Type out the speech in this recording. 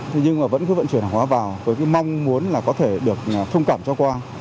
thế nhưng mà vẫn cứ vận chuyển hàng hóa vào với mong muốn là có thể được thông cảm cho quang